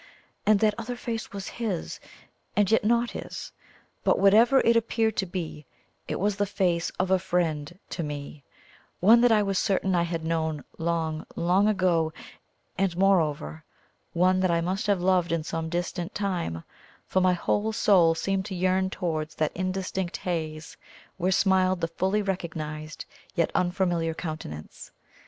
And that other face was his, and yet not his; but whatever it appeared to be, it was the face of a friend to ME, one that I was certain I had known long, long ago, and moreover one that I must have loved in some distant time, for my whole soul seemed to yearn towards that indistinct haze where smiled the fully recognised yet unfamiliar countenance.